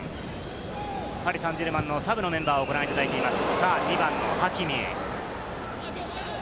パリ・サンジェルマンのサブのメンバーをご覧いただいています。